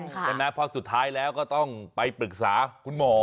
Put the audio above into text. เพราะฉะนั้นพอสุดท้ายแล้วก็ต้องไปปรึกษาคุณหมอ